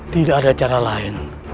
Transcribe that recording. tidak ada cara lain